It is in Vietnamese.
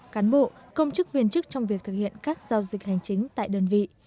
cán bộ công chức viên chức trong việc thực hiện các giao dịch hành chính tại đơn vị